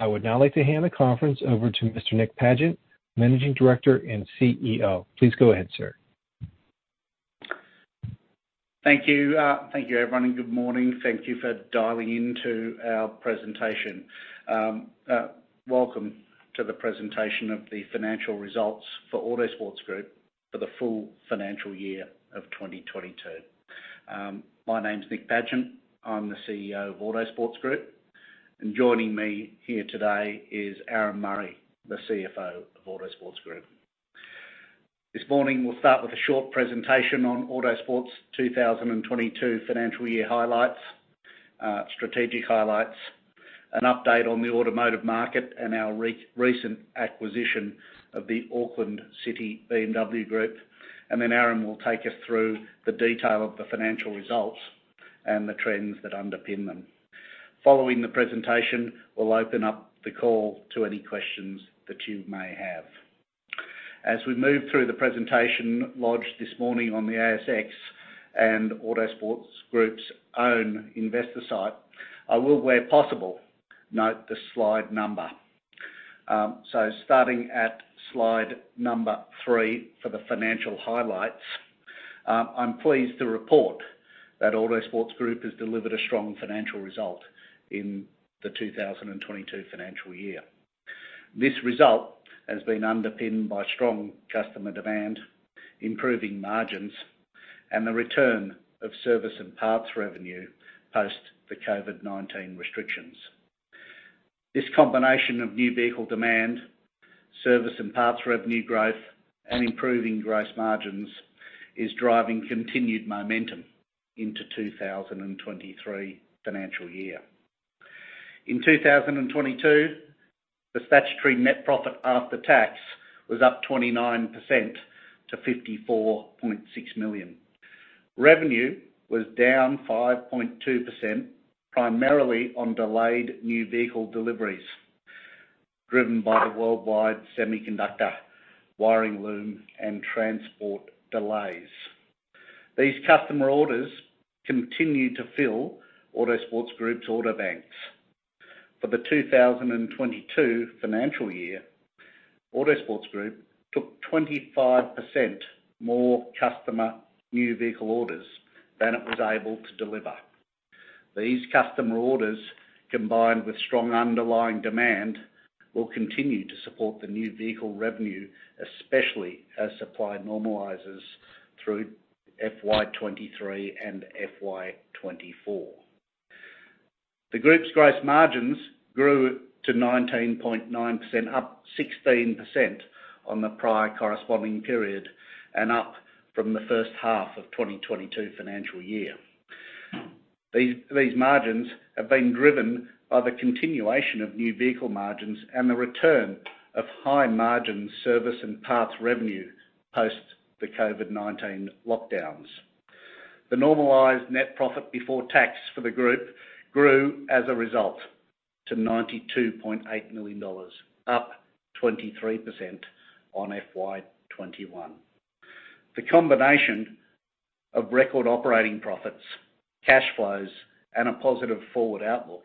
I would now like to hand the conference over to Mr. Nick Pagent, Managing Director and CEO. Please go ahead, sir. Thank you. Thank you, everyone, and good morning. Thank you for dialing into our presentation. Welcome to the presentation of the financial results for Autosports Group for the full financial year of 2022. My name's Nick Pagent. I'm the CEO of Autosports Group. Joining me here today is Aaron Murray, the CFO of Autosports Group. This morning, we'll start with a short presentation on Autosports' 2022 financial year highlights, strategic highlights, an update on the automotive market and our recent acquisition of the Auckland City BMW group. Aaron will take us through the detail of the financial results and the trends that underpin them. Following the presentation, we'll open up the call to any questions that you may have. As we move through the presentation lodged this morning on the ASX and Autosports Group's own investor site, I will, where possible, note the slide number. Starting at slide number three for the financial highlights, I'm pleased to report that Autosports Group has delivered a strong financial result in the 2022 financial year. This result has been underpinned by strong customer demand, improving margins, and the return of service and parts revenue post the COVID-19 restrictions. This combination of new vehicle demand, service and parts revenue growth, and improving gross margins is driving continued momentum into 2023 financial year. In 2022, the statutory net profit after tax was up 29% to 54.6 million. Revenue was down 5.2%, primarily on delayed new vehicle deliveries, driven by the worldwide semiconductor wiring loom and transport delays. These customer orders continue to fill Autosports Group's order banks. For the 2022 financial year, Autosports Group took 25% more customer new vehicle orders than it was able to deliver. These customer orders, combined with strong underlying demand, will continue to support the new vehicle revenue, especially as supply normalizes through FY 2023 and FY 2024. The group's gross margins grew to 19.9%, up 16% on the prior corresponding period and up from the first half of 2022 financial year. These margins have been driven by the continuation of new vehicle margins and the return of high-margin service and parts revenue post the COVID-19 lockdowns. The normalized net profit before tax for the group grew as a result to 92.8 million dollars, up 23% on FY 2021. The combination of record operating profits, cash flows, and a positive forward outlook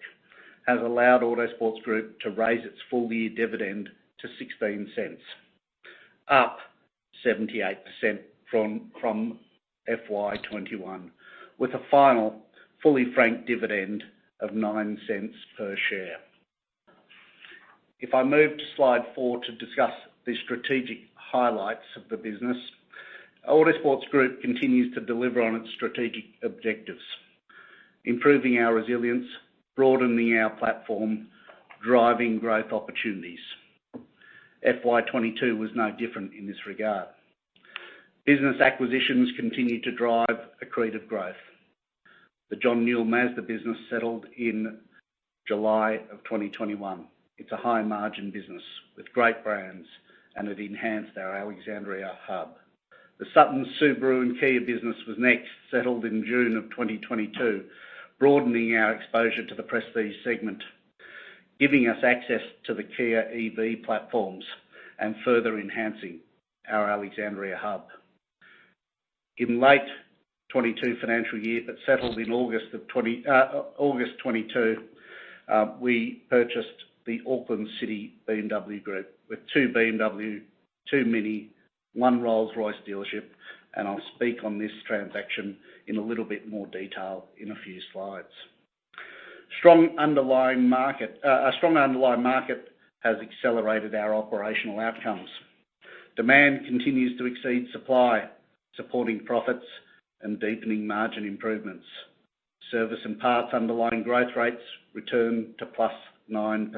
has allowed Autosports Group to raise its full-year dividend to 0.16, up 78% from FY 2021, with a final fully franked dividend of 0.09 per share. If I move to slide four to discuss the strategic highlights of the business, Autosports Group continues to deliver on its strategic objectives, improving our resilience, broadening our platform, driving growth opportunities. FY 2022 was no different in this regard. Business acquisitions continued to drive accretive growth. The John Newell Mazda business settled in July 2021. It's a high-margin business with great brands, and it enhanced our Alexandria hub. The Suttons Subaru and Kia business was next settled in June 2022, broadening our exposure to the prestige segment, giving us access to the Kia EV platforms and further enhancing our Alexandria hub. In late 2022 financial year that settled in August 2022, we purchased the Auckland City BMW group with two BMW, two MINI, one Rolls-Royce dealership, and I'll speak on this transaction in a little bit more detail in a few slides. A strong underlying market has accelerated our operational outcomes. Demand continues to exceed supply, supporting profits and deepening margin improvements. Service and parts underlying growth rates return to +9%.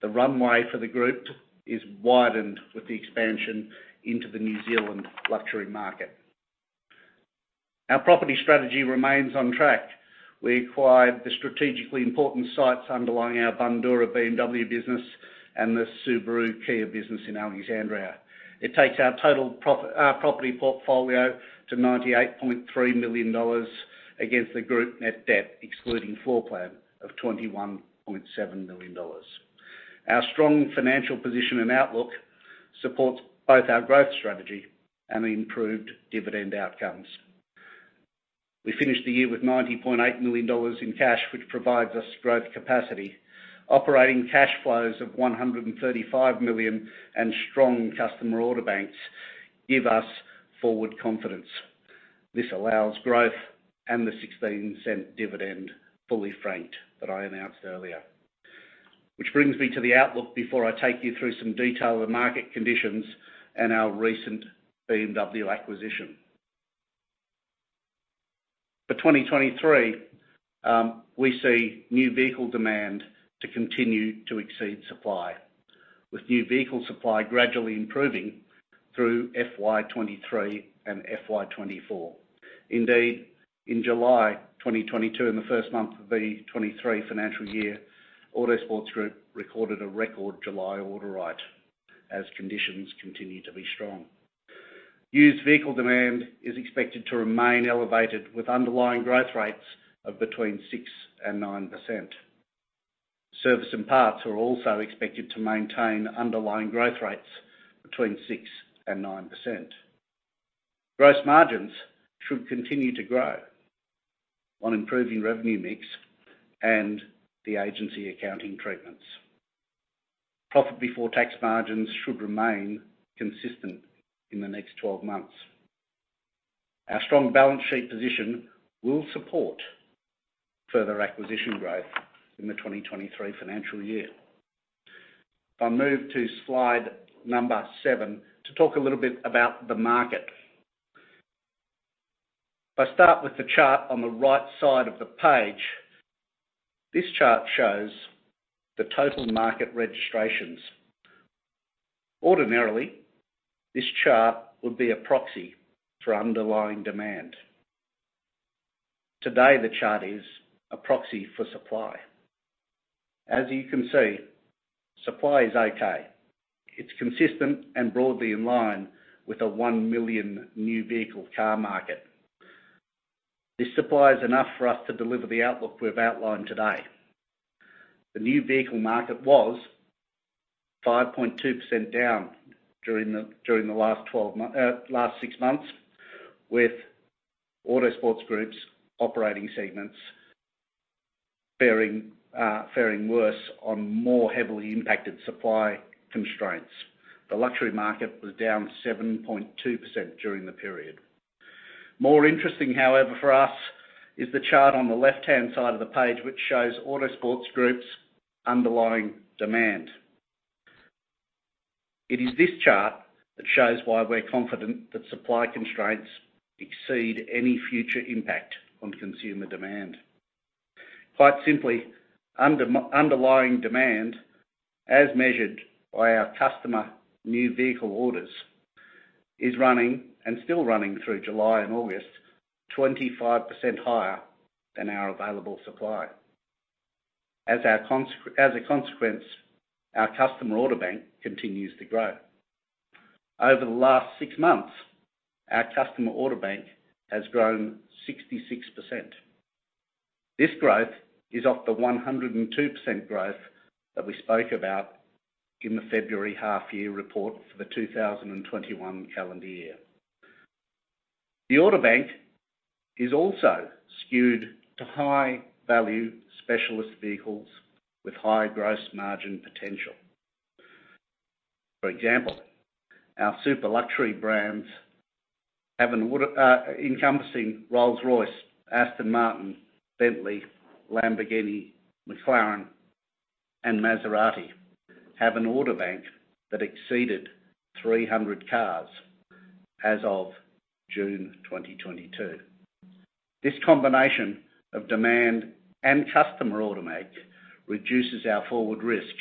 The runway for the group is widened with the expansion into the New Zealand luxury market. Our property strategy remains on track. We acquired the strategically important sites underlying our Bundoora BMW business and the Subaru Kia business in Alexandria. It takes our total property portfolio to 98.3 million dollars against the group net debt, excluding floor plan, of 21.7 million dollars. Our strong financial position and outlook supports both our growth strategy and the improved dividend outcomes. We finished the year with 90.8 million dollars in cash, which provides us growth capacity. Operating cash flows of 135 million and strong customer order banks give us forward confidence. This allows growth and the 0.16 dividend fully franked that I announced earlier. Which brings me to the outlook before I take you through some detail of market conditions and our recent BMW acquisition. For 2023, we see new vehicle demand to continue to exceed supply, with new vehicle supply gradually improving through FY 2023 and FY 2024. Indeed, in July 2022, in the first month of the 2023 financial year, Autosports Group recorded a record July order rate as conditions continue to be strong. Used vehicle demand is expected to remain elevated, with underlying growth rates of between 6% and 9%. Service and parts are also expected to maintain underlying growth rates between 6% and 9%. Gross margins should continue to grow on improving revenue mix and the agency accounting treatments. Profit before tax margins should remain consistent in the next 12 months. Our strong balance sheet position will support further acquisition growth in the 2023 financial year. If I move to slide number seven to talk a little bit about the market. If I start with the chart on the right side of the page, this chart shows the total market registrations. Ordinarily, this chart would be a proxy for underlying demand. Today, the chart is a proxy for supply. As you can see, supply is okay. It's consistent and broadly in line with the one million new vehicle car market. This supply is enough for us to deliver the outlook we've outlined today. The new vehicle market was 5.2% down during the last six months, with Autosports Group's operating segments faring worse on more heavily impacted supply constraints. The luxury market was down 7.2% during the period. More interesting, however, for us is the chart on the left-hand side of the page, which shows Autosports Group's underlying demand. It is this chart that shows why we're confident that supply constraints exceed any future impact on consumer demand. Quite simply, underlying demand, as measured by our customer new vehicle orders, is running and still running through July and August, 25% higher than our available supply. As a consequence, our customer order bank continues to grow. Over the last six months, our customer order bank has grown 66%. This growth is off the 102% growth that we spoke about in the February half year report for the 2021 calendar year. The order bank is also skewed to high-value specialist vehicles with high gross margin potential. For example, our super luxury brands, encompassing Rolls-Royce, Aston Martin, Bentley, Lamborghini, McLaren, and Maserati, have an order bank that exceeded 300 cars as of June 2022. This combination of demand and customer order bank reduces our forward risk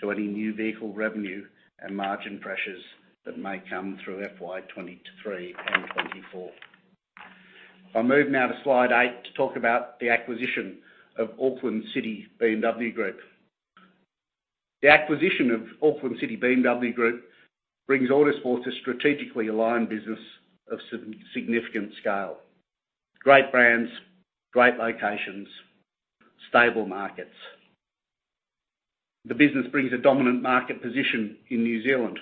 to any new vehicle revenue and margin pressures that may come through FY 2023 and 2024. If I move now to slide eight to talk about the acquisition of Auckland City BMW. The acquisition of Auckland City BMW brings Autosports a strategically aligned business of significant scale. Great brands, great locations, stable markets. The business brings a dominant market position in New Zealand,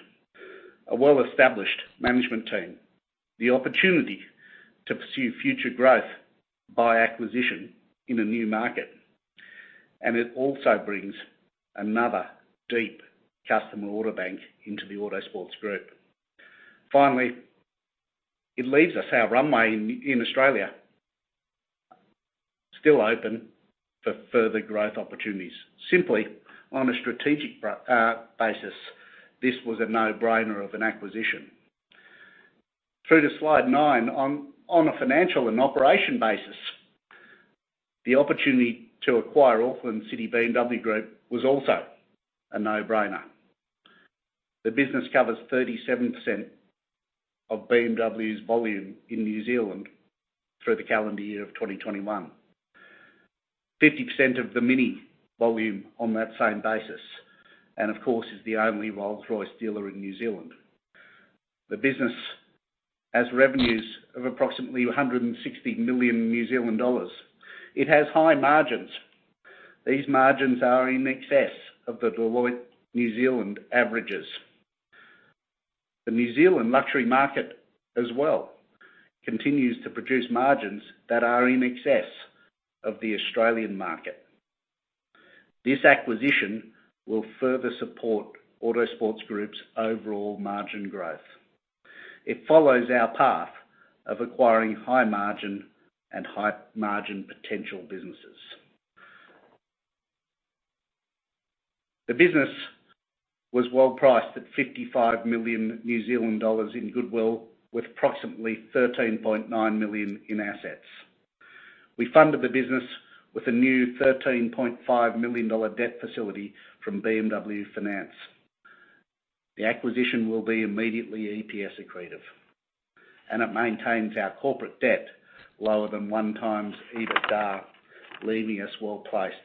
a well-established management team, the opportunity to pursue future growth by acquisition in a new market, and it also brings another deep customer order bank into the Autosports Group. Finally, it leaves us our runway in Australia still open for further growth opportunities. Simply on a strategic basis, this was a no-brainer of an acquisition. Through to slide nine, on a financial and operational basis, the opportunity to acquire Auckland City BMW was also a no-brainer. The business covers 37% of BMW's volume in New Zealand through the calendar year of 2021. 50% of the MINI volume on that same basis, and of course, is the only Rolls-Royce dealer in New Zealand. The business has revenues of approximately 160 million New Zealand dollars. It has high margins. These margins are in excess of the Deloitte New Zealand averages. The New Zealand luxury market as well continues to produce margins that are in excess of the Australian market. This acquisition will further support Autosports Group's overall margin growth. It follows our path of acquiring high margin and high margin potential businesses. The business was well-priced at 55 million New Zealand dollars in goodwill, with approximately 13.9 million in assets. We funded the business with a new 13.5 million dollar debt facility from BMW Finance. The acquisition will be immediately EPS accretive, and it maintains our corporate debt lower than 1x EBITDA, leaving us well-placed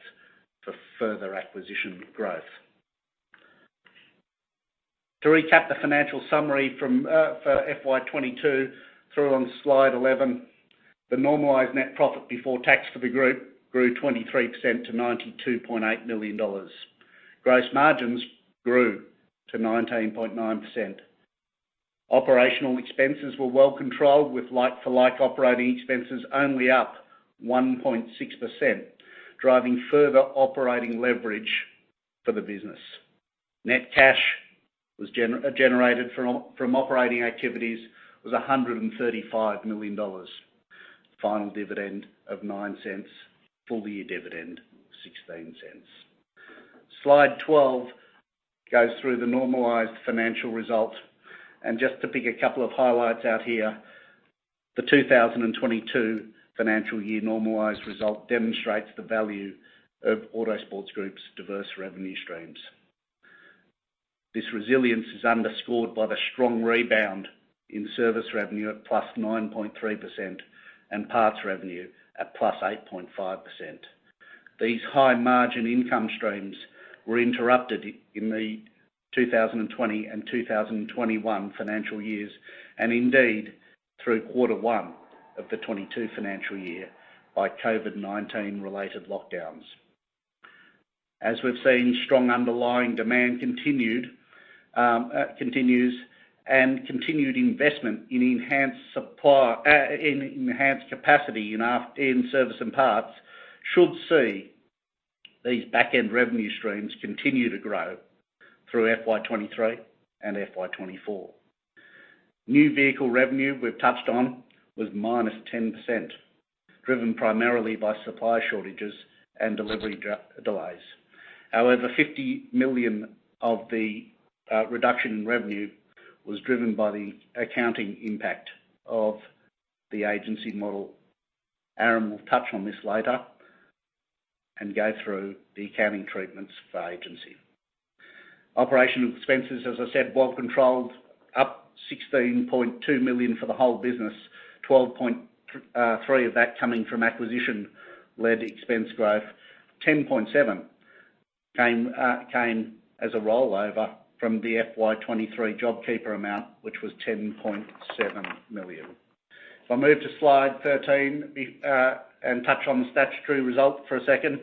for further acquisition growth. To recap the financial summary for FY 2022 on slide 11, the normalized net profit before tax for the group grew 23% to 92.8 million dollars. Gross margins grew to 19.9%. Operational expenses were well-controlled with like-for-like operating expenses only up 1.6%, driving further operating leverage for the business. Net cash generated from operating activities was 135 million dollars. Final dividend of 0.09. Full year dividend, 0.16. Slide 12 goes through the normalized financial results. Just to pick a couple of highlights out here, the 2022 financial year normalized result demonstrates the value of Autosports Group's diverse revenue streams. This resilience is underscored by the strong rebound in service revenue at +9.3% and parts revenue at +8.5%. These high margin income streams were interrupted in the 2020 and 2021 financial years, and indeed through quarter one of the 2022 financial year, by COVID-19 related lockdowns. As we've seen, strong underlying demand continued, continues and continued investment in enhanced supply, in enhanced capacity in service and parts should see these back-end revenue streams continue to grow through FY 2023 and FY 2024. New vehicle revenue we've touched on was minus 10%, driven primarily by supply shortages and delivery delays. However, 50 million of the reduction in revenue was driven by the accounting impact of the agency model. Aaron will touch on this later and go through the accounting treatments for agency. Operational expenses, as I said, well controlled, up 16.2 million for the whole business. 12.3 million of that coming from acquisition-led expense growth. 10.7 million came as a rollover from the FY 2023 JobKeeper amount, which was 10.7 million. If I move to slide 13, we and touch on the statutory result for a second.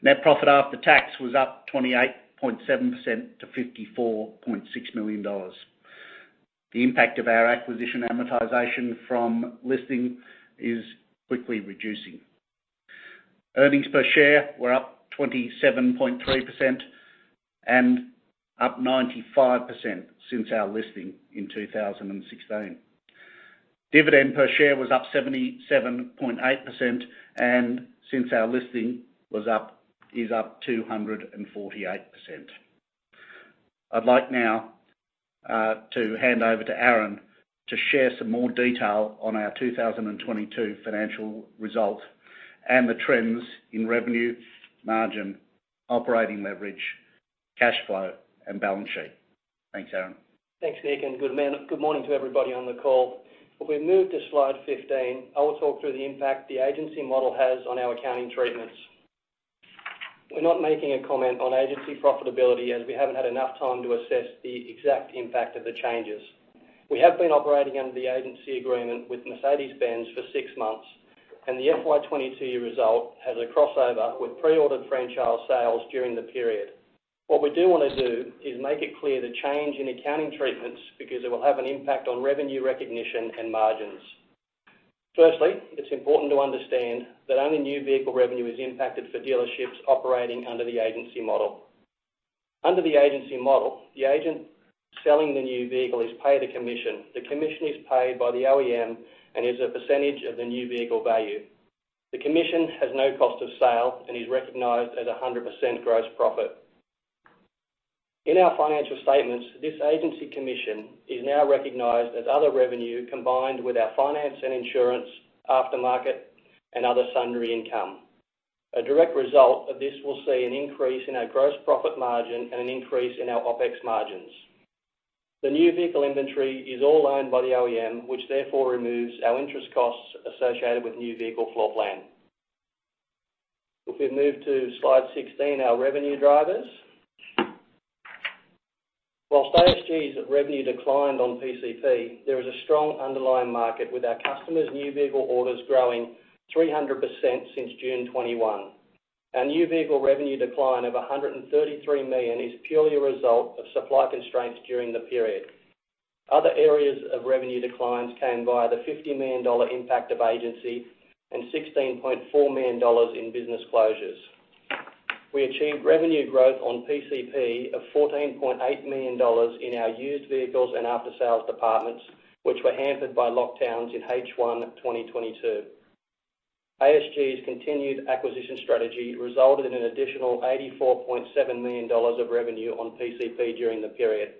Net profit after tax was up 28.7% to 54.6 million dollars. The impact of our acquisition amortization from listing is quickly reducing. Earnings per share were up 27.3% and up 95% since our listing in 2016. Dividend per share was up 77.8%, and since our listing was up, is up 248%. I'd like now to hand over to Aaron to share some more detail on our 2022 financial result and the trends in revenue, margin, operating leverage, cash flow and balance sheet. Thanks, Aaron. Thanks, Nick, and good morning to everybody on the call. If we move to slide 15, I will talk through the impact the agency model has on our accounting treatments. We're not making a comment on agency profitability as we haven't had enough time to assess the exact impact of the changes. We have been operating under the agency agreement with Mercedes-Benz for six months, and the FY 2022 result has a crossover with pre-ordered franchise sales during the period. What we do wanna do is make it clear the change in accounting treatments because it will have an impact on revenue recognition and margins. Firstly, it's important to understand that only new vehicle revenue is impacted for dealerships operating under the agency model. Under the agency model, the agent selling the new vehicle is paid a commission. The commission is paid by the OEM and is a percentage of the new vehicle value. The commission has no cost of sale and is recognized as 100% gross profit. In our financial statements, this agency commission is now recognized as other revenue combined with our finance and insurance, aftermarket, and other sundry income. A direct result of this will see an increase in our gross profit margin and an increase in our OpEx margins. The new vehicle inventory is all owned by the OEM, which therefore removes our interest costs associated with new vehicle floor plan. If we move to slide 16, our revenue drivers. While ASG's revenue declined on PCP, there is a strong underlying market with our customers' new vehicle orders growing 300% since June 2021. Our new vehicle revenue decline of 133 million is purely a result of supply constraints during the period. Other areas of revenue declines came via the 50 million dollar impact of agency and 16.4 million dollars in business closures. We achieved revenue growth on PCP of 14.8 million dollars in our Used Vehicles and after-sales departments, which were hampered by lockdowns in H1 2022. ASG's continued acquisition strategy resulted in an additional 84.7 million dollars of revenue on PCP during the period.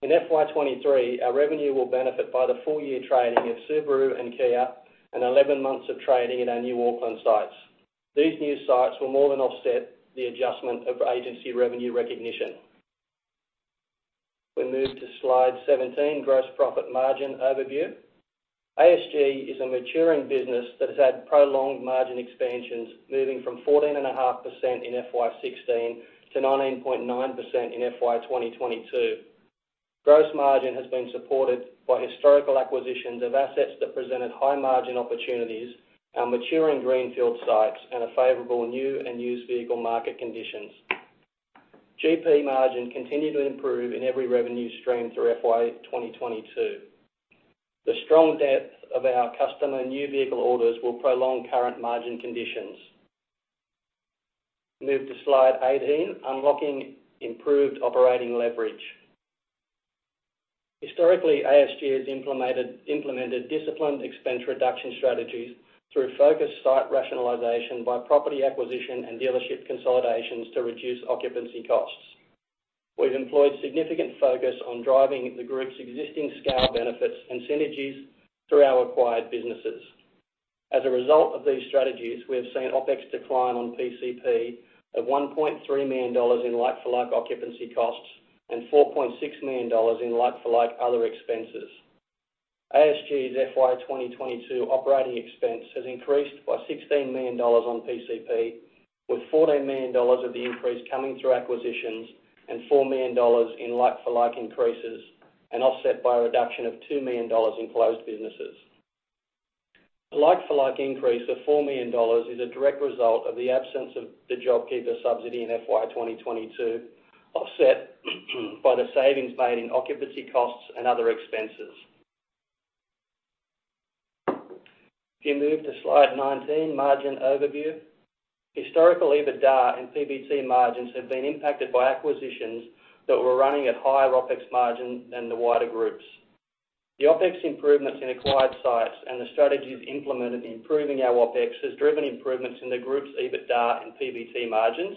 In FY 2023, our revenue will benefit by the full-year trading of Subaru and Kia and 11 months of trading at our new Auckland sites. These new sites will more than offset the adjustment of agency revenue recognition. We move to Slide 17, Gross Profit Margin Overview. ASG is a maturing business that has had prolonged margin expansions, moving from 14.5% in FY 2016 to 19.9% in FY 2022. Gross margin has been supported by historical acquisitions of assets that presented high margin opportunities, our maturing greenfield sites, and a favorable new and used vehicle market conditions. GP margin continued to improve in every revenue stream through FY 2022. The strong depth of our customer new vehicle orders will prolong current margin conditions. Move to Slide 18, Unlocking Improved Operating Leverage. Historically, ASG has implemented disciplined expense reduction strategies through focused site rationalization by property acquisition and dealership consolidations to reduce occupancy costs. We've employed significant focus on driving the group's existing scale benefits and synergies through our acquired businesses. As a result of these strategies, we have seen OpEx decline on PCP of 1.3 million dollars in like-for-like occupancy costs and 4.6 million dollars in like-for-like other expenses. ASG's FY 2022 operating expense has increased by 16 million dollars on PCP, with 14 million dollars of the increase coming through acquisitions and 4 million dollars in like-for-like increases and offset by a reduction of 2 million dollars in closed businesses. A like-for-like increase of 4 million dollars is a direct result of the absence of the JobKeeper subsidy in FY 2022, offset by the savings made in occupancy costs and other expenses. If you move to Slide 19, Margin Overview. Historical EBITDA and PBT margins have been impacted by acquisitions that were running at higher OpEx margin than the wider groups. The OpEx improvements in acquired sites and the strategies implemented in improving our OpEx has driven improvements in the group's EBITDA and PBT margins.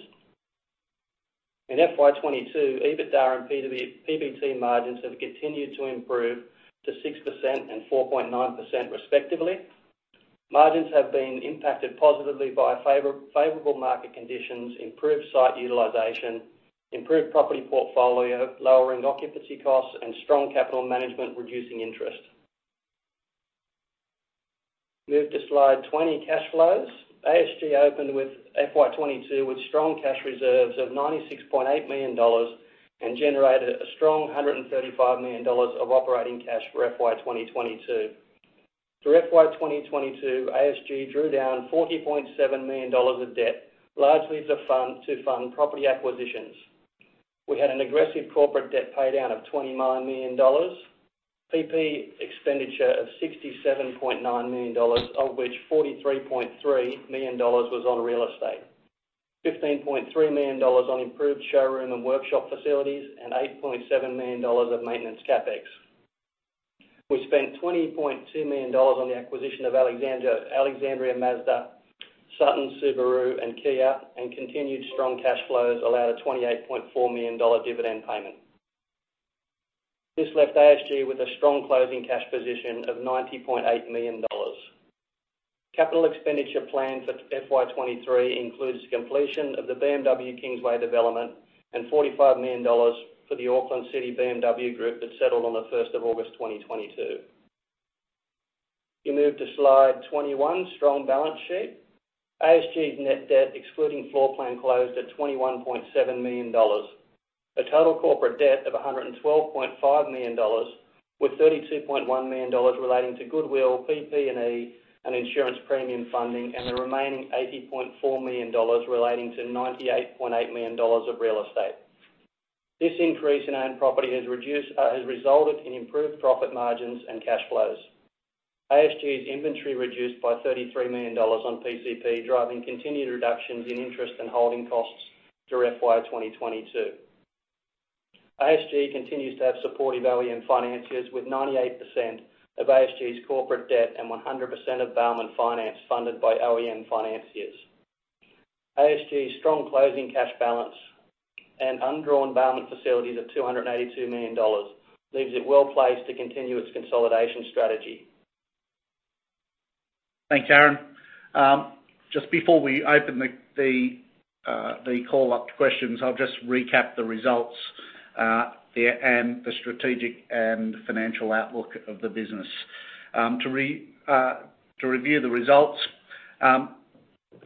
In FY 2022, EBITDA and PBT margins have continued to improve to 6% and 4.9%, respectively. Margins have been impacted positively by favorable market conditions, improved site utilization, improved property portfolio, lowering occupancy costs, and strong capital management, reducing interest. Move to slide 20, Cash Flows. ASG opened FY 2022 with strong cash reserves of 96.8 million dollars and generated a strong 135 million dollars of operating cash for FY 2022. Through FY 2022, ASG drew down AUD 40.7 million of debt, largely to fund property acquisitions. We had an aggressive corporate debt paydown of AUD 29 million, PP&E expenditure of AUD 67.9 million, of which AUD 43.3 million was on real estate. AUD 15.3 million on improved showroom and workshop facilities and AUD 8.7 million of maintenance CapEx. We spent 20.2 million dollars on the acquisition of Alexandria Mazda, Suttons Subaru and Kia, and continued strong cash flows allowed a 28.4 million dollar dividend payment. This left ASG with a strong closing cash position of 90.8 million dollars. Capital expenditure plan for FY 2023 includes completion of the BMW Kingsway development and 45 million dollars for the Auckland City BMW group that settled on the first of August 2022. If you move to slide 21, Strong Balance Sheet. ASG's net debt excluding floor plan closed at 21.7 million dollars. A total corporate debt of 112.5 million dollars, with 32.1 million dollars relating to goodwill, PP&E, and insurance premium funding, and the remaining 80.4 million dollars relating to 98.8 million dollars of real estate. This increase in owned property has resulted in improved profit margins and cash flows. ASG's inventory reduced by 33 million dollars on PCP, driving continued reductions in interest and holding costs through FY 2022. ASG continues to have supportive OEM financiers with 98% of ASG's corporate debt and 100% of bailment finance funded by OEM financiers. ASG's strong closing cash balance and undrawn bailment facilities of 282 million dollars leaves it well-placed to continue its consolidation strategy. Thanks, Aaron. Just before we open the call up to questions, I'll just recap the results there and the strategic and financial outlook of the business. To review the results.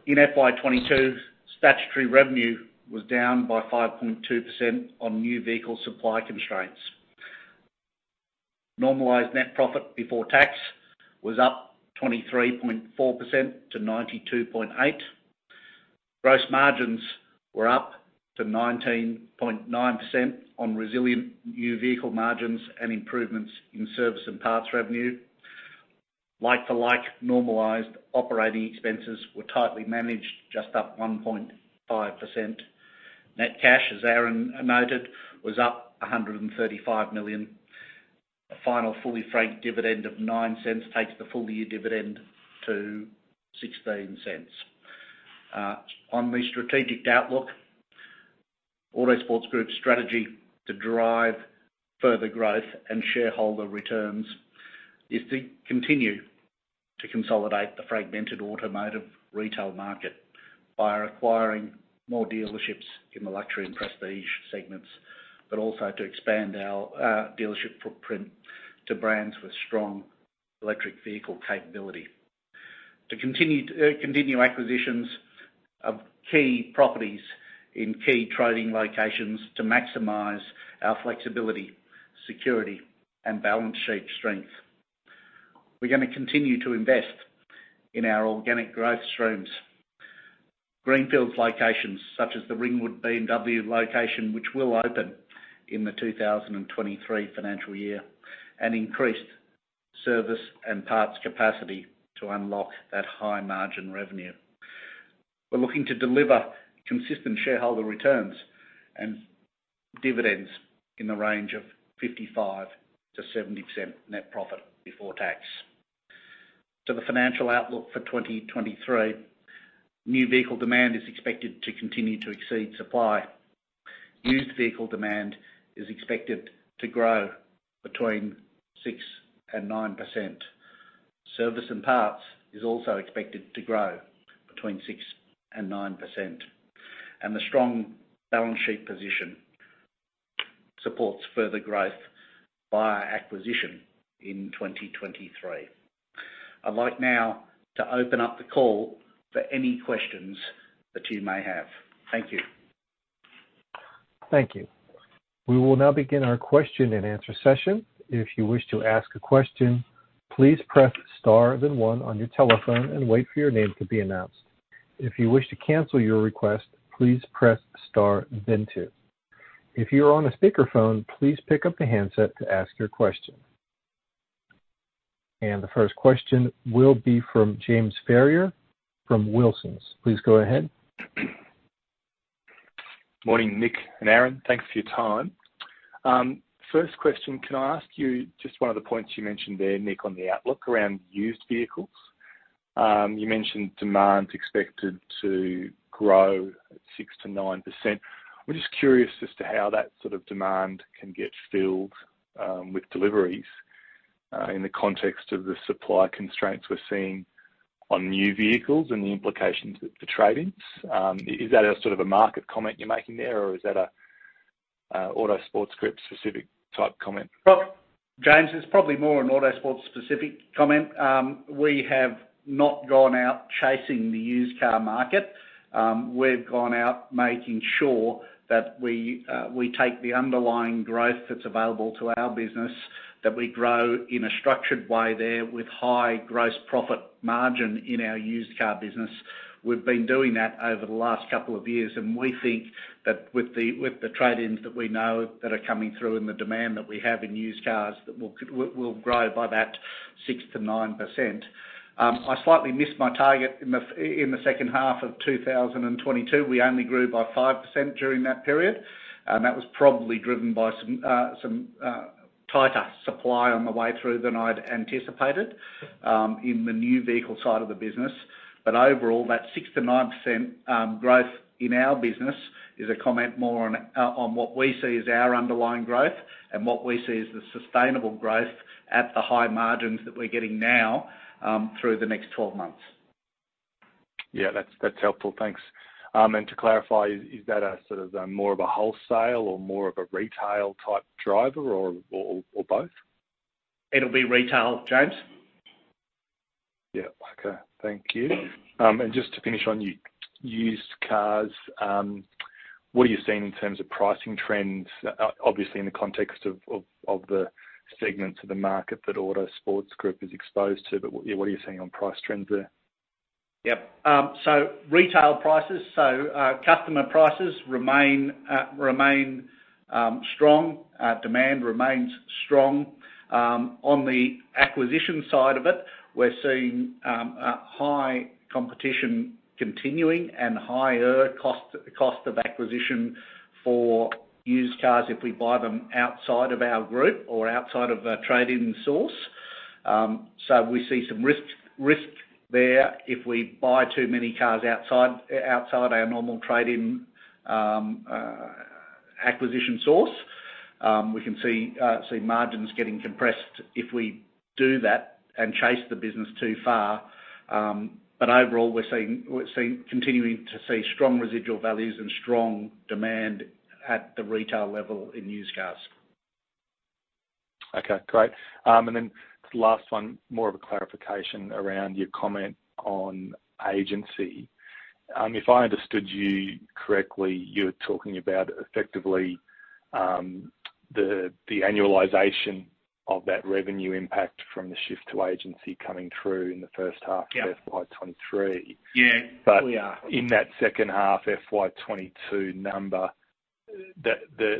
In FY 2022, statutory revenue was down by 5.2% on new vehicle supply constraints. Normalized net profit before tax was up 23.4% to 92.8 million. Gross margins were up to 19.9% on resilient new vehicle margins and improvements in service and parts revenue. Like-for-like normalized operating expenses were tightly managed, just up 1.5%. Net cash, as Aaron noted, was up 135 million. A final fully franked dividend of 0.09 takes the full year dividend to 0.16. On the strategic outlook, Autosports Group's strategy to drive further growth and shareholder returns is to continue to consolidate the fragmented automotive retail market by acquiring more dealerships in the luxury and prestige segments, but also to expand our dealership footprint to brands with strong electric vehicle capability. To continue acquisitions of key properties in key trading locations to maximize our flexibility, security, and balance sheet strength. We're gonna continue to invest in our organic growth streams. Greenfields locations, such as the Ringwood BMW location, which will open in the 2023 financial year, and increased service and parts capacity to unlock that high margin revenue. We're looking to deliver consistent shareholder returns and dividends in the range of 55%-70% net profit before tax. To the financial outlook for 2023, new vehicle demand is expected to continue to exceed supply. Used vehicle demand is expected to grow between 6% and 9%. Service and parts is also expected to grow between 6% and 9%. The strong balance sheet position supports further growth via acquisition in 2023. I'd like now to open up the call for any questions that you may have. Thank you. Thank you. We will now begin our question and answer session. If you wish to ask a question, please press star then one on your telephone and wait for your name to be announced. If you wish to cancel your request, please press star then two. If you're on a speakerphone, please pick up the handset to ask your question. The first question will be from James Ferrier from Wilsons. Please go ahead. Morning, Nick and Aaron. Thanks for your time. First question, can I ask you just one of the points you mentioned there, Nick, on the outlook around Used Vehicles. You mentioned demand expected to grow at 6%-9%. I'm just curious as to how that sort of demand can get filled, with deliveries, in the context of the supply constraints we're seeing on New Vehicles and the implications for trade-ins. Is that a sort of a market comment you're making there, or is that a Autosports Group specific type comment? Well, James, it's probably more an Autosports specific comment. We have not gone out chasing the used car market. We've gone out making sure that we take the underlying growth that's available to our business, that we grow in a structured way there with high gross profit margin in our used car business. We've been doing that over the last couple of years, and we think that with the trade-ins that we know that are coming through and the demand that we have in used cars, that we'll grow by that 6%-9%. I slightly missed my target in the second half of 2022. We only grew by 5% during that period. That was probably driven by some tighter supply on the way through than I'd anticipated, in the new vehicle side of the business. Overall, that 6%-9% growth in our business is a comment more on what we see as our underlying growth and what we see as the sustainable growth at the high margins that we're getting now, through the next 12 months. Yeah, that's helpful. Thanks. To clarify, is that a sort of a more of a wholesale or more of a retail type driver or both? It'll be retail, James. Thank you. Just to finish on used cars, what are you seeing in terms of pricing trends, obviously in the context of the segments of the market that Autosports Group is exposed to, but what are you seeing on price trends there? Retail prices, so customer prices remain strong. Demand remains strong. On the acquisition side of it, we're seeing a high competition continuing and higher cost of acquisition for used cars if we buy them outside of our group or outside of a trade-in source. We see some risk there if we buy too many cars outside our normal trade-in acquisition source. We can see margins getting compressed if we do that and chase the business too far. Overall, we're continuing to see strong residual values and strong demand at the retail level in used cars. Okay, great. Last one, more of a clarification around your comment on agency. If I understood you correctly, you're talking about effectively, the annualization of that revenue impact from the shift to agency coming through in the first half- Yeah. -of FY 2023. Yeah. But- We are. In that second half FY 2022 number,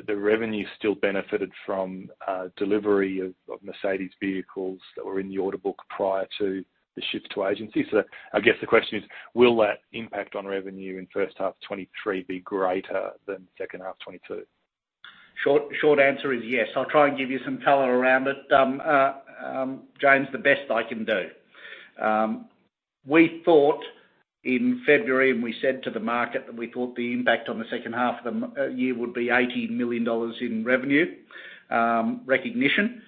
the revenue still benefited from delivery of Mercedes vehicles that were in the order book prior to the shift to agency. I guess the question is, will that impact on revenue in first half 2023 be greater than second half 2022? Short answer is yes. I'll try and give you some color around it, James, the best I can do. We thought in February and we said to the market that we thought the impact on the second half of the year would be 80 million dollars in revenue recognition.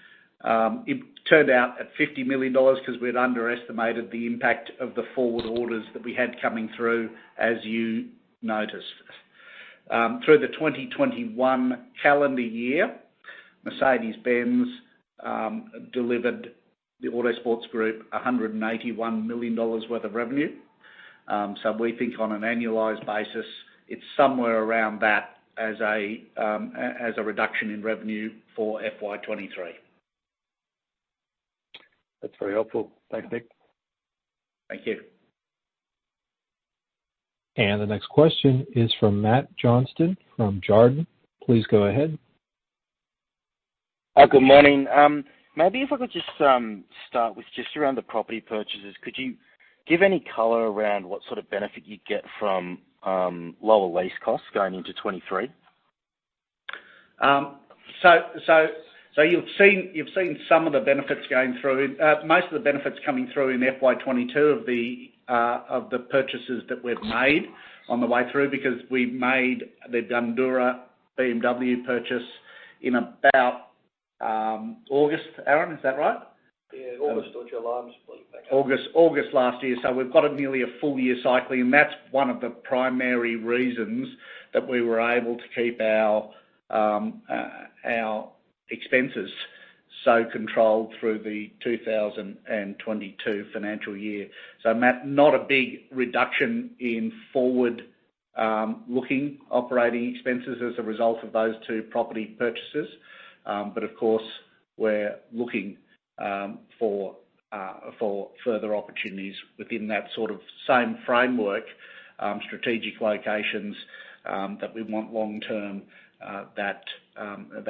It turned out to 50 million dollars 'cause we'd underestimated the impact of the forward orders that we had coming through as you noticed. Through the 2021 calendar year, Mercedes-Benz delivered to Autosports Group 181 million dollars worth of revenue. So we think on an annualized basis, it's somewhere around that as a reduction in revenue for FY 2023. That's very helpful. Thanks, Nick. Thank you. The next question is from Matt Johnston from Jarden. Please go ahead. Good morning. Maybe if I could just start with just around the property purchases. Could you give any color around what sort of benefit you'd get from lower lease costs going into 2023? You've seen some of the benefits going through. Most of the benefits coming through in FY 2022 of the purchases that we've made on the way through because we made the Bundoora BMW purchase in about August. Aaron, is that right? Yeah. August or July. August last year. We've got nearly a full year cycle, and that's one of the primary reasons that we were able to keep our expenses so controlled through the 2022 financial year. Matt, not a big reduction in forward-looking operating expenses as a result of those two property purchases. But of course, we're looking for further opportunities within that sort of same framework, strategic locations that we want long-term that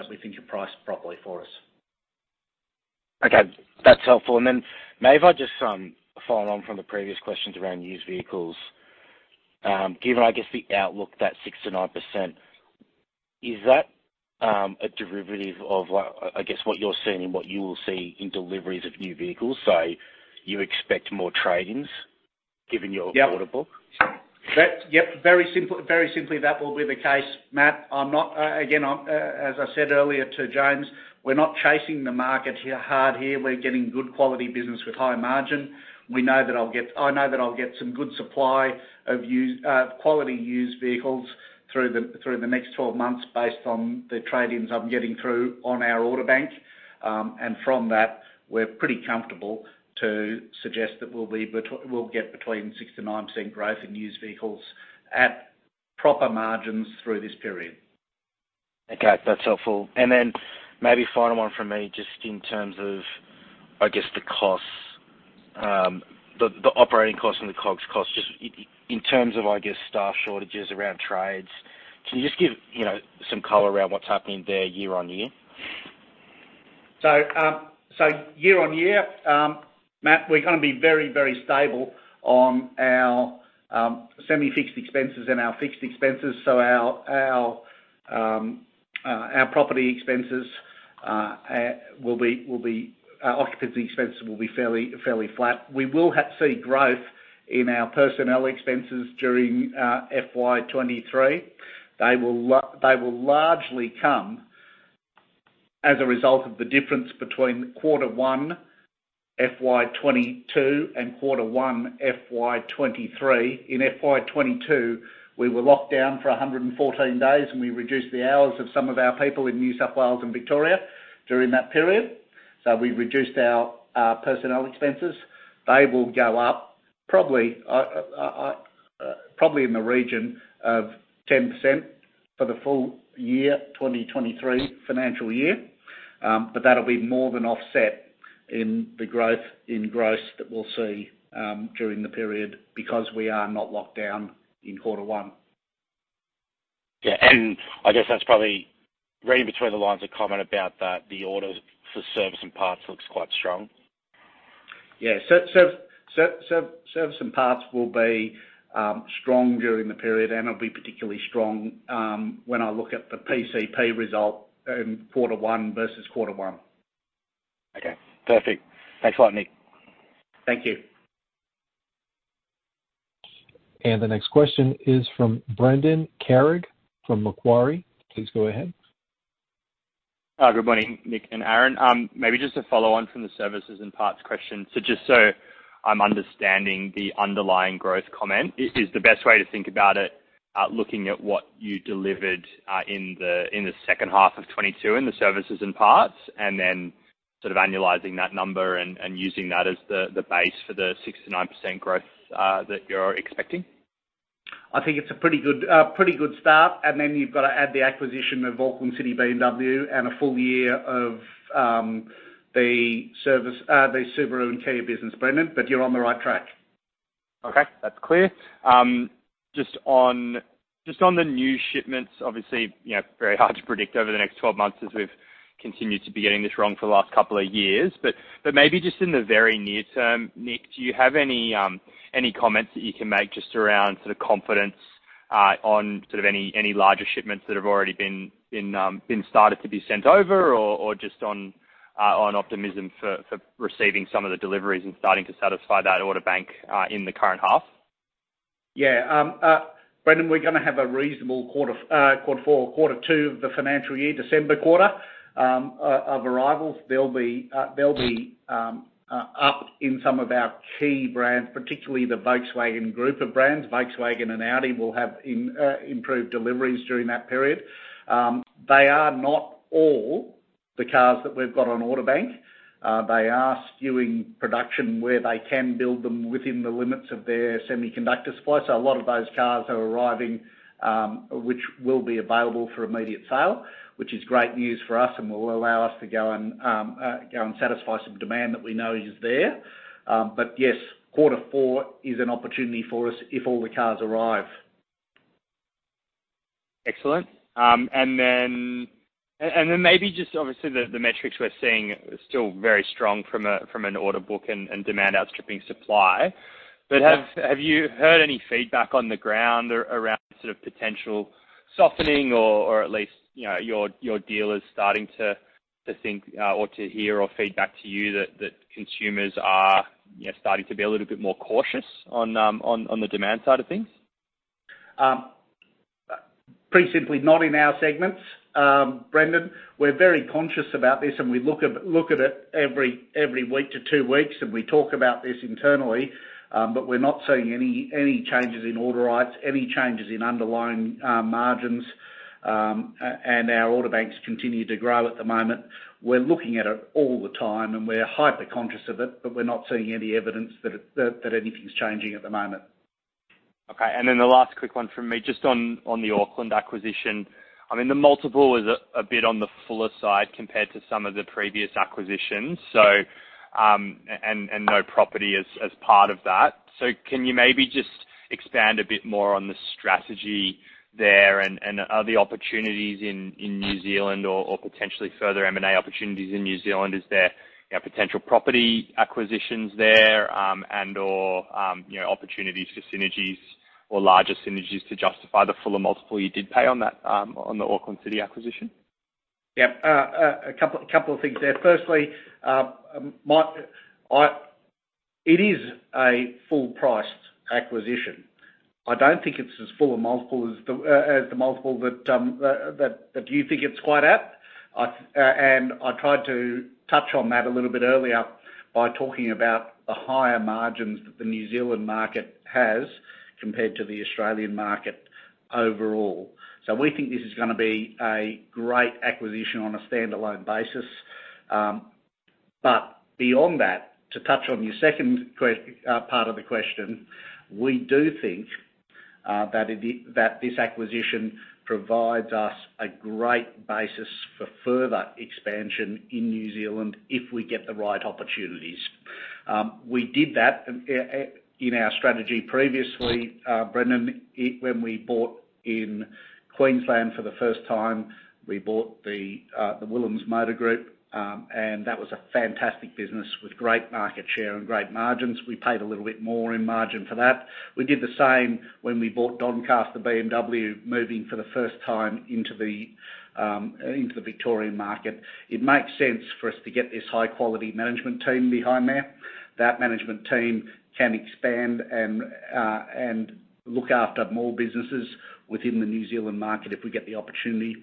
we think are priced properly for us. Okay, that's helpful. May I just following on from the previous questions around Used Vehicles. Given, I guess, the outlook that 6%-9%, is that a derivative of like, I guess, what you're seeing and what you will see in deliveries of New Vehicles? You expect more trade-ins given your order book? Very simply, that will be the case, Matt. As I said earlier to James, we're not chasing the market here hard here. We're getting good quality business with high margin. I know that I'll get some good supply of quality Used Vehicles through the next 12 months based on the tradings I'm getting through on our order bank. From that, we're pretty comfortable to suggest that we'll get between 6%-9% growth in Used Vehicles at proper margins through this period. Okay, that's helpful. Then maybe final one from me, just in terms of, I guess the costs, the operating costs and the COGS costs, just in terms of, I guess, staff shortages around trades. Can you just give, you know, some color around what's happening there year on year? Year-on-year, Matt, we're gonna be very stable on our semi-fixed expenses and our fixed expenses. Our occupancy expenses will be fairly flat. We will see growth in our personnel expenses during FY 2023. They will largely come as a result of the difference between quarter one, FY 2022 and quarter one, FY 2023. In FY 2022, we were locked down for 114 days, and we reduced the hours of some of our people in New South Wales and Victoria during that period. We've reduced our personnel expenses. They will go up probably in the region of 10% for the full year 2023 financial year. That'll be more than offset in the growth in gross that we'll see during the period because we are not locked down in quarter one. Yeah. I guess that's probably reading between the lines of comment about that, the orders for service and parts looks quite strong. Service and parts will be strong during the period and it'll be particularly strong when I look at the PCP result in quarter one versus quarter one. Okay, perfect. Thanks a lot, Nick. Thank you. The next question is from Brendan Carrig from Macquarie. Please go ahead. Good morning, Nick and Aaron. Maybe just to follow on from the Services and Parts question. Just so I'm understanding the underlying growth comment, is the best way to think about it, looking at what you delivered, in the second half of 2022 in the Services and Parts, and then sort of annualizing that number and using that as the base for the 6%-9% growth that you're expecting? I think it's a pretty good start. You've gotta add the acquisition of Auckland City BMW and a full year of the Subaru and Kia business, Brendan, but you're on the right track. Okay, that's clear. Just on the new shipments, obviously, you know, very hard to predict over the next 12 months as we've continued to be getting this wrong for the last couple of years. But maybe just in the very near term, Nick, do you have any comments that you can make just around sort of confidence on sort of any larger shipments that have already been started to be sent over? Or just on optimism for receiving some of the deliveries and starting to satisfy that order bank in the current half? Yeah. Brendan, we're gonna have a reasonable quarter two of the financial year, December quarter, of arrivals. They'll be up in some of our key brands, particularly the Volkswagen Group of brands. Volkswagen and Audi will have improved deliveries during that period. They are not all the cars that we've got on order bank. They are skewing production where they can build them within the limits of their semiconductor supply. So a lot of those cars are arriving, which will be available for immediate sale, which is great news for us and will allow us to go and satisfy some demand that we know is there. Yes, quarter four is an opportunity for us if all the cars arrive. Excellent. Maybe just, obviously, the metrics we're seeing are still very strong from an order book and demand outstripping supply. Have you heard any feedback on the ground around sort of potential softening or at least, you know, your dealers starting to think or to hear feedback to you that consumers are, you know, starting to be a little bit more cautious on the demand side of things? Pretty simply not in our segments, Brendan. We're very conscious about this, and we look at it every week to two weeks, and we talk about this internally. We're not seeing any changes in order rates, any changes in underlying margins, and our order banks continue to grow at the moment. We're looking at it all the time, and we're hyper-conscious of it, but we're not seeing any evidence that anything's changing at the moment. Okay. The last quick one from me, just on the Auckland City acquisition. I mean, the multiple is a bit on the fuller side compared to some of the previous acquisitions, so, and no property as part of that. Can you maybe just expand a bit more on the strategy there and are there opportunities in New Zealand or potentially further M&A opportunities in New Zealand? Is there, you know, potential property acquisitions there, and/or, you know, opportunities for synergies or larger synergies to justify the fuller multiple you did pay on that, on the Auckland City acquisition? Yeah. A couple of things there. Firstly, it is a full-priced acquisition. I don't think it's as full a multiple as the multiple that you think it's quite at. I tried to touch on that a little bit earlier by talking about the higher margins that the New Zealand market has compared to the Australian market overall. We think this is gonna be a great acquisition on a standalone basis. Beyond that, to touch on your second part of the question, we do think that this acquisition provides us a great basis for further expansion in New Zealand if we get the right opportunities. We did that in our strategy previously, Brendan, when we bought in Queensland for the first time. We bought the Stillwell Motor Group. That was a fantastic business with great market share and great margins. We paid a little bit more in margin for that. We did the same when we bought Doncaster BMW, moving for the first time into the Victorian market. It makes sense for us to get this high-quality management team behind there. That management team can expand and look after more businesses within the New Zealand market if we get the opportunity.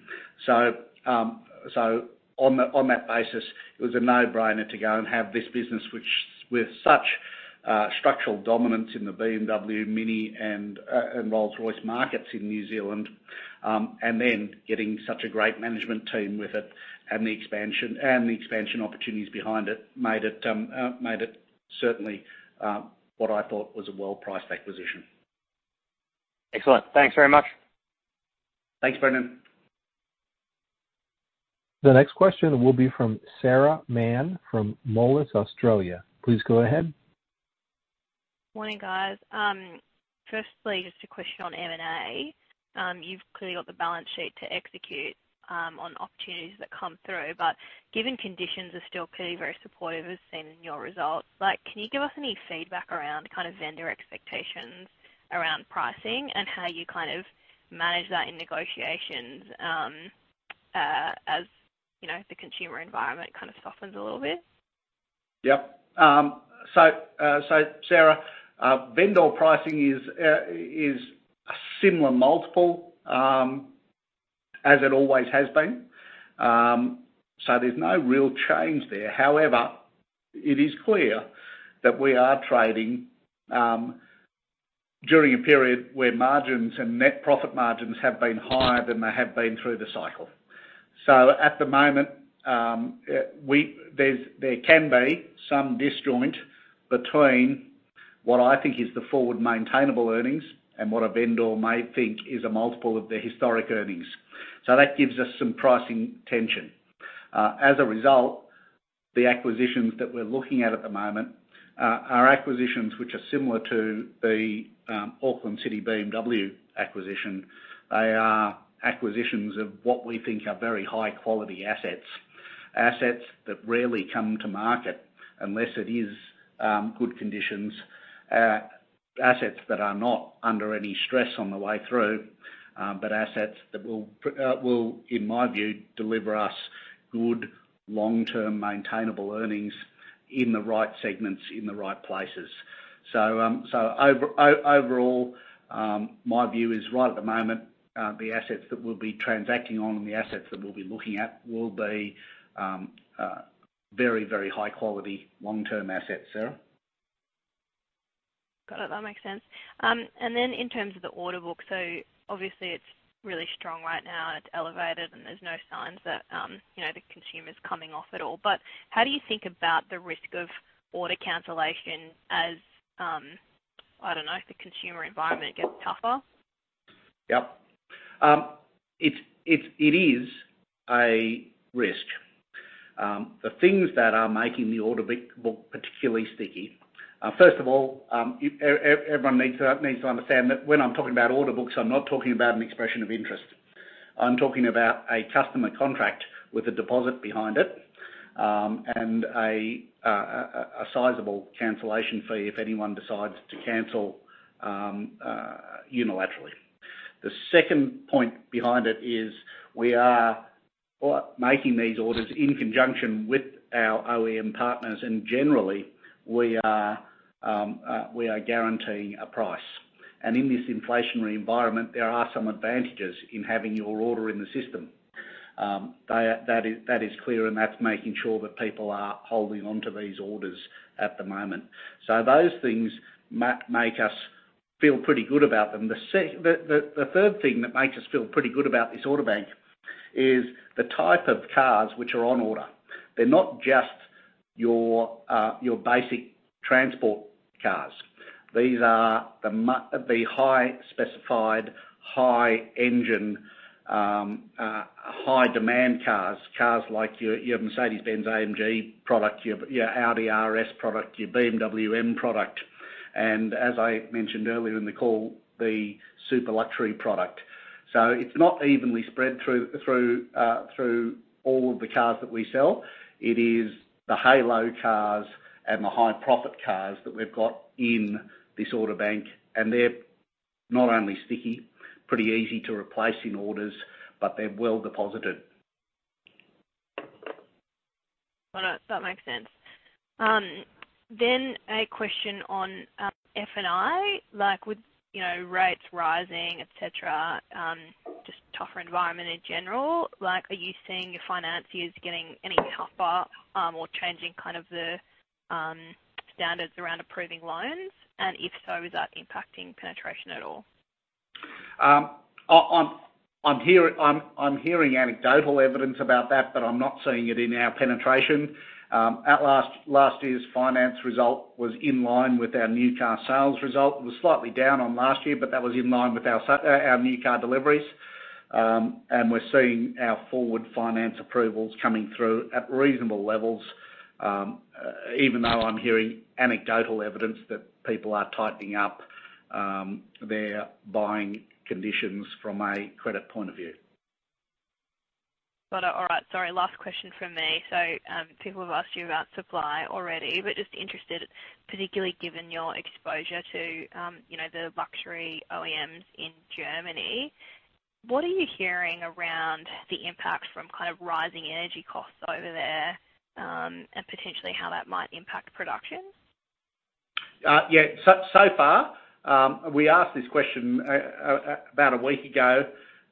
On that basis, it was a no-brainer to go and have this business, which with such structural dominance in the BMW MINI and Rolls-Royce markets in New Zealand, and then getting such a great management team with it and the expansion opportunities behind it, made it certainly what I thought was a well-priced acquisition. Excellent. Thanks very much. Thanks, Brendan. The next question will be from Sarah Mann from Moelis Australia. Please go ahead. Morning, guys. Firstly, just a question on M&A. You've clearly got the balance sheet to execute on opportunities that come through. Given conditions are still clearly very supportive, as seen in your results, like, can you give us any feedback around kind of vendor expectations around pricing and how you kind of manage that in negotiations, you know, the consumer environment kind of softens a little bit? Yep. Sarah, vendor pricing is a similar multiple as it always has been. There's no real change there. However, it is clear that we are trading during a period where margins and net profit margins have been higher than they have been through the cycle. So at the moment, there can be some disjoint between what I think is the forward maintainable earnings and what a vendor may think is a multiple of their historic earnings. So that gives us some pricing tension. As a result, the acquisitions that we're looking at at the moment are acquisitions which are similar to the Auckland City BMW acquisition. They are acquisitions of what we think are very high quality assets. Assets that rarely come to market unless it is good conditions. Assets that are not under any stress on the way through, but assets that will, in my view, deliver us good long-term maintainable earnings in the right segments, in the right places. Overall, my view is right at the moment, the assets that we'll be transacting on and the assets that we'll be looking at will be very, very high quality long-term assets. Sarah? Got it. That makes sense. In terms of the order book, so obviously it's really strong right now and it's elevated, and there's no signs that, you know, the consumer's coming off at all. How do you think about the risk of order cancellation as, I don't know, if the consumer environment gets tougher? Yep. It is a risk. The things that are making the order book particularly sticky, first of all, everyone needs to understand that when I'm talking about order books, I'm not talking about an expression of interest. I'm talking about a customer contract with a deposit behind it, and a sizable cancellation fee if anyone decides to cancel unilaterally. The second point behind it is we are making these orders in conjunction with our OEM partners, and generally, we are guaranteeing a price. In this inflationary environment, there are some advantages in having your order in the system. That is clear, and that's making sure that people are holding onto these orders at the moment. Those things make us feel pretty good about them. The third thing that makes us feel pretty good about this order bank is the type of cars which are on order. They're not just your basic transport cars. These are the high specified, high engine, high demand cars. Cars like your Mercedes-Benz AMG product, your Audi RS product, your BMW M product, and as I mentioned earlier in the call, the super luxury product. It's not evenly spread through all of the cars that we sell. It is the halo cars and the high profit cars that we've got in this order bank, and they're not only sticky, pretty easy to replace in orders, but they're well deposited. All right. That makes sense. A question on F&I. Like with, you know, rates rising, et cetera, just tougher environment in general, like, are you seeing your financiers getting any tougher, or changing kind of the standards around approving loans? If so, is that impacting penetration at all? I'm hearing anecdotal evidence about that, but I'm not seeing it in our penetration. At last year's finance result was in line with our new car sales result. It was slightly down on last year, but that was in line with our new car deliveries. We're seeing our forward finance approvals coming through at reasonable levels, even though I'm hearing anecdotal evidence that people are tightening up their buying conditions from a credit point of view. Got it. All right. Sorry, last question from me. People have asked you about supply already, but just interested, particularly given your exposure to, you know, the luxury OEMs in Germany, what are you hearing around the impact from kind of rising energy costs over there, and potentially how that might impact production? Yeah. So far, we asked this question about a week ago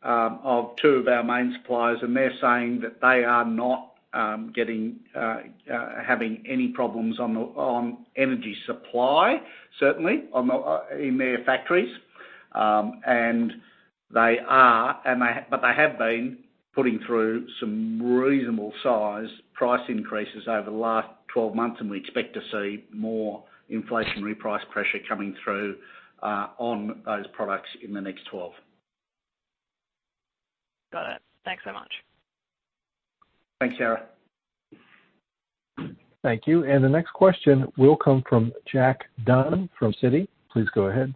of two of our main suppliers, and they're saying that they are not having any problems on the energy supply, certainly in their factories. But they have been putting through some reasonable size price increases over the last 12 months, and we expect to see more inflationary price pressure coming through on those products in the next 12. Got it. Thanks so much. Thanks, Sarah. Thank you. The next question will come from Jack Dunn from Citi. Please go ahead.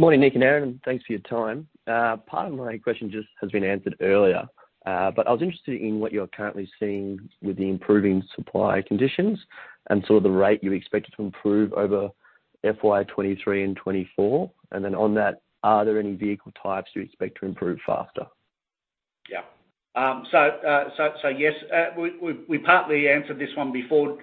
Morning, Nick and Aaron, and thanks for your time. Part of my question just has been answered earlier. I was interested in what you're currently seeing with the improving supply conditions and sort of the rate you expect it to improve over FY 2023 and 2024. On that, are there any vehicle types you expect to improve faster? Yes, we partly answered this one before,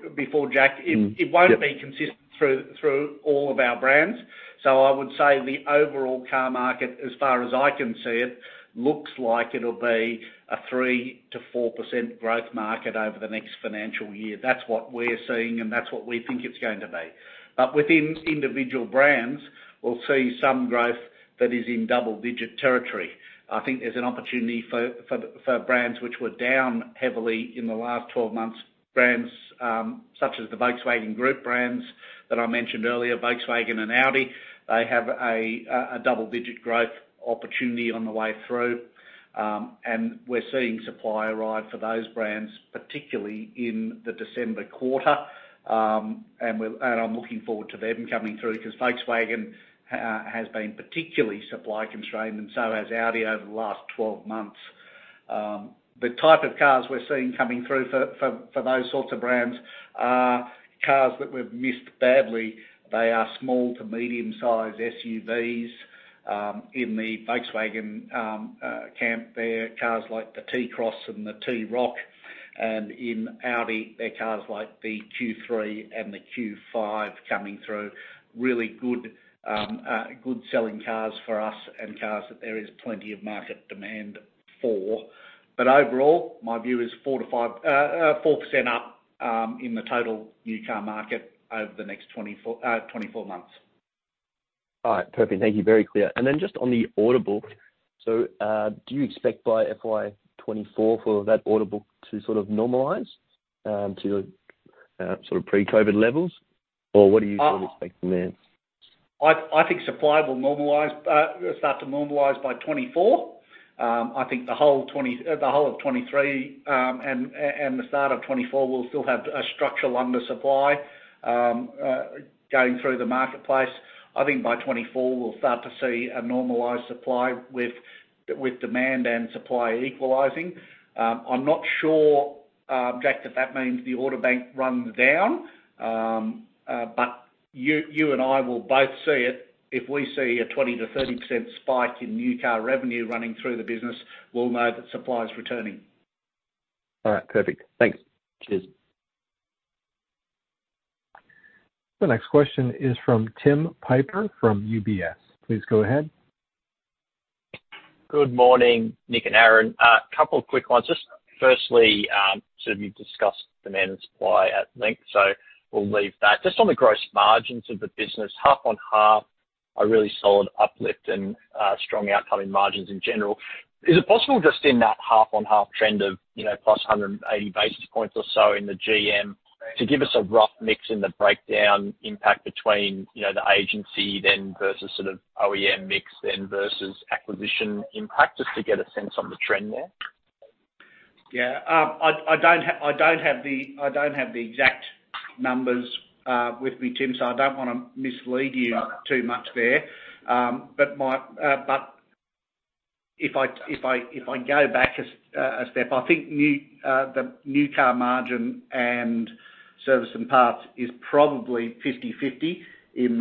Jack. Yep. It won't be consistent through all of our brands. I would say the overall car market, as far as I can see, it looks like it'll be a 3%-4% growth market over the next financial year. That's what we're seeing, and that's what we think it's going to be. Within individual brands, we'll see some growth that is in double-digit territory. I think there's an opportunity for brands which were down heavily in the last 12 months, such as the Volkswagen Group brands that I mentioned earlier, Volkswagen and Audi. They have a double-digit growth opportunity on the way through. We're seeing supply arrive for those brands, particularly in the December quarter. I'm looking forward to them coming through 'cause Volkswagen has been particularly supply constrained and so has Audi over the last 12 months. The type of cars we're seeing coming through for those sorts of brands are cars that we've missed badly. They are small to medium-size SUVs in the Volkswagen camp. They're cars like the T-Cross and the T-Roc. In Audi, they're cars like the Q3 and the Q5 coming through. Really good selling cars for us and cars that there is plenty of market demand for. Overall, my view is 4%-5% up in the total new car market over the next 24 months. All right. Perfect. Thank you. Very clear. Just on the order book, so do you expect by FY 2024 for that order book to sort of normalize to sort of pre-COVID levels? Or what do you sort of expect from there? I think supply will normalize, start to normalize by 2024. I think the whole of 2023 and the start of 2024 will still have a structural undersupply going through the marketplace. I think by 2024, we'll start to see a normalized supply with demand and supply equalizing. I'm not sure, Jack, if that means the order bank runs down. You and I will both see it. If we see a 20%-30% spike in new car revenue running through the business, we'll know that supply is returning. All right. Perfect. Thanks. Cheers. The next question is from Tim Piper from UBS. Please go ahead. Good morning, Nick and Aaron. A couple of quick ones. Just firstly, sort of you've discussed demand and supply at length, so we'll leave that. Just on the gross margins of the business, 50/50 are really solid uplift and, strong outcome in margins in general. Is it possible just in that 50/50 trend of, you know, plus 180 basis points or so in the GM to give us a rough mix in the breakdown impact between, you know, the agency then versus sort of OEM mix then versus acquisition impact, just to get a sense on the trend there? Yeah. I don't have the exact numbers with me, Tim, so I don't wanna mislead you too much there. If I go back a step, I think the new car margin and service and parts is probably 50/50 in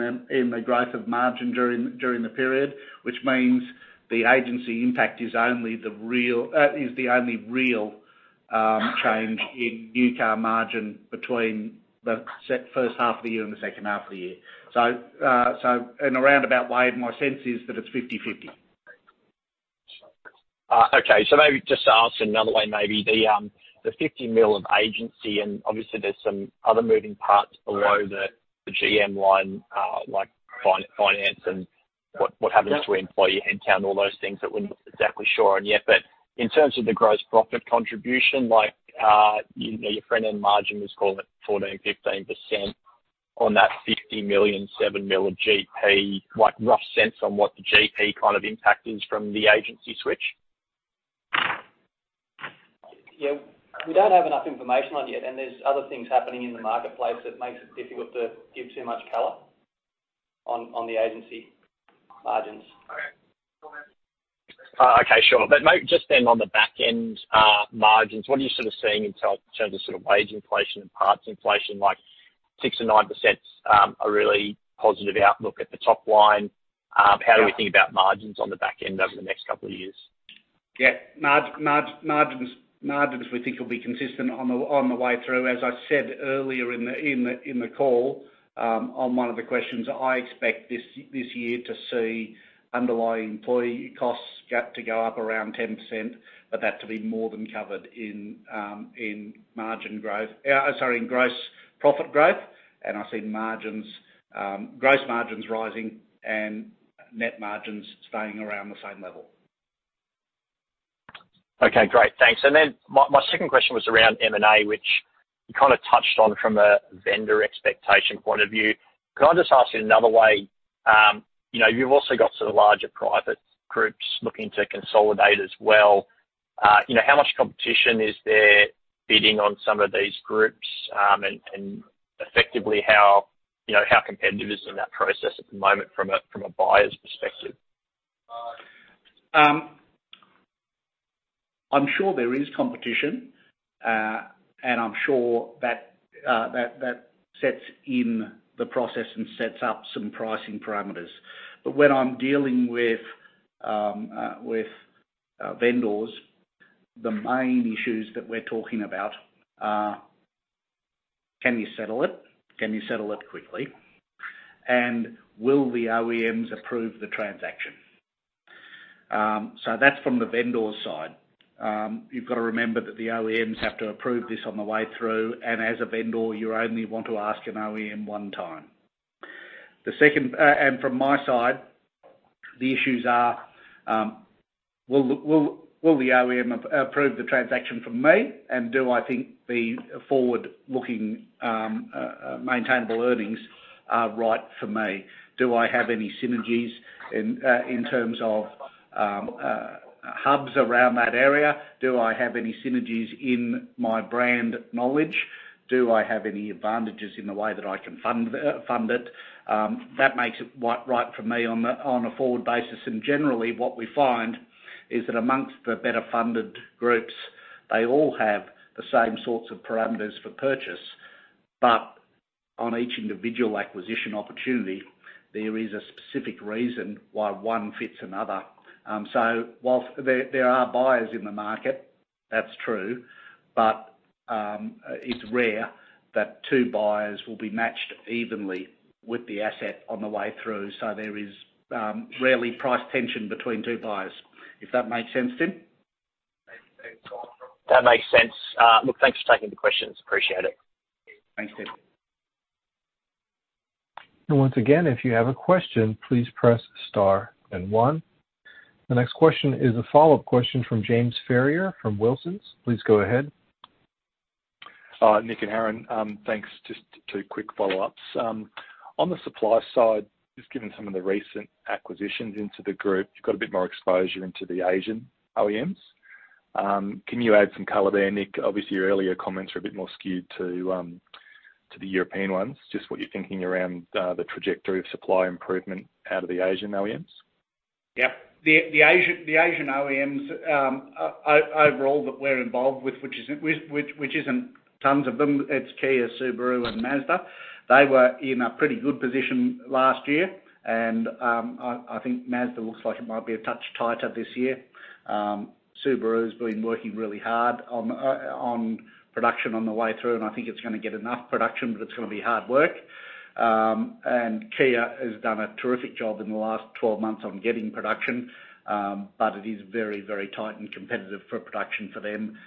the growth of margin during the period, which means the agency impact is the only real change in new car margin between the first half of the year and the second half of the year. In a roundabout way, my sense is that it's 50/50. Maybe just to ask another way, maybe the 50 million of agency, and obviously there's some other moving parts below the GM line, like finance and what happens to employee headcount, all those things that we're not exactly sure on yet. In terms of the gross profit contribution, like, you know, your front-end margin, let's call it 14, 15% on that 50 million, 7 million of GP, like rough sense on what the GP kind of impact is from the agency switch. Yeah. We don't have enough information on yet, and there's other things happening in the marketplace that makes it difficult to give too much color on the agency margins. Just then on the back end, margins, what are you sort of seeing in terms of sort of wage inflation and parts inflation, like 6% or 9%, a really positive outlook at the top line? How do we think about margins on the back end over the next couple of years? Yeah. Margins we think will be consistent on the way through. As I said earlier in the call, on one of the questions, I expect this year to see underlying employee cost gap to go up around 10%, but that to be more than covered in gross profit growth. I see margins, gross margins rising and net margins staying around the same level. Okay, great. Thanks. My second question was around M&A, which you kinda touched on from a vendor expectation point of view. Can I just ask you another way? You know, you've also got sort of larger private groups looking to consolidate as well. You know, how much competition is there bidding on some of these groups? Effectively, how you know how competitive is in that process at the moment from a buyer's perspective? I'm sure there is competition, and I'm sure that sets in the process and sets up some pricing parameters. When I'm dealing with vendors, the main issues that we're talking about are can you settle it, can you settle it quickly, and will the OEMs approve the transaction. That's from the vendor's side. You've got to remember that the OEMs have to approve this on the way through, and as a vendor, you only want to ask an OEM one time. From my side, the issues are, will the OEM approve the transaction from me, and do I think the forward-looking maintainable earnings are right for me. Do I have any synergies in terms of hubs around that area? Do I have any synergies in my brand knowledge? Do I have any advantages in the way that I can fund it, that makes it right for me on a forward basis? Generally, what we find is that among the better-funded groups, they all have the same sorts of parameters for purchase. On each individual acquisition opportunity, there is a specific reason why one fits another. While there are buyers in the market, that's true, but it's rare that two buyers will be matched evenly with the asset on the way through. There is rarely price tension between two buyers, if that makes sense, Tim. That makes sense. Look, thanks for taking the questions. Appreciate it. Thanks, Tim. Once again, if you have a question, please press star then one. The next question is a follow-up question from James Ferrier from Wilsons. Please go ahead. Nick and Aaron, thanks. Just two quick follow-ups. On the supply side, just given some of the recent acquisitions into the group, you've got a bit more exposure into the Asian OEMs. Can you add some color there, Nick? Obviously, your earlier comments are a bit more skewed to the European ones. Just what you're thinking around the trajectory of supply improvement out of the Asian OEMs. Yeah. The Asian OEMs overall that we're involved with, which isn't tons of them. It's Kia, Subaru and Mazda. They were in a pretty good position last year, and I think Mazda looks like it might be a touch tighter this year. Subaru's been working really hard on production on the way through, and I think it's gonna get enough production, but it's gonna be hard work. Kia has done a terrific job in the last 12 months on getting production, but it is very, very tight and competitive for production for them.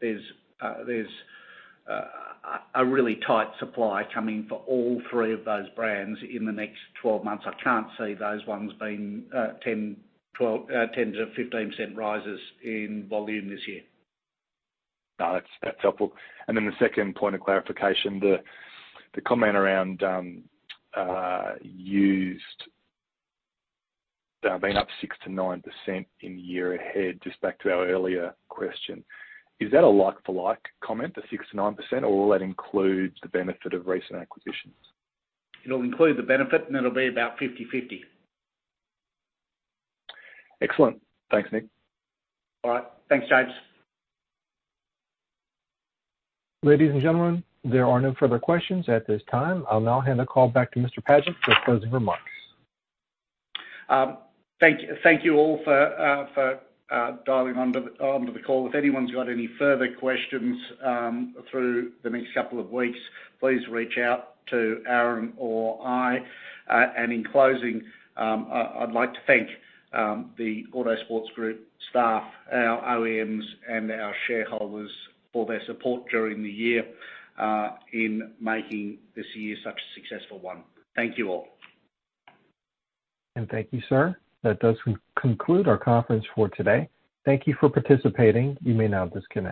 There's a really tight supply coming for all three of those brands in the next 12 months. I can't see those ones being 10%, 12%, 10%-15% rises in volume this year. No, that's helpful. Then the second point of clarification, the comment around used being up 6%-9% in the year ahead, just back to our earlier question. Is that a like-for-like comment, the 6%-9%, or will that include the benefit of recent acquisitions? It'll include the benefit, and it'll be about 50/50. Excellent. Thanks, Nick. All right. Thanks, James. Ladies and gentlemen, there are no further questions at this time. I'll now hand the call back to Mr. Pagent for closing remarks. Thank you all for dialing onto the call. If anyone's got any further questions through the next couple of weeks, please reach out to Aaron or I. In closing, I'd like to thank the Autosports Group staff, our OEMs, and our shareholders for their support during the year in making this year such a successful one. Thank you all. Thank you, sir. That does conclude our conference for today. Thank you for participating. You may now disconnect.